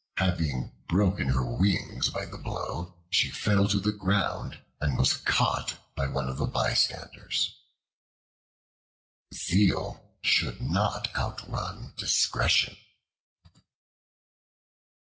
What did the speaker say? Having broken her wings by the blow, she fell to the ground, and was caught by one of the bystanders. Zeal should not outrun discretion.